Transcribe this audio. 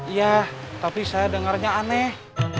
iya tapi saya dengarnya aneh